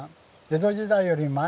江戸時代より前？